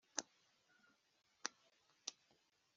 nakundaga intoki ze ndende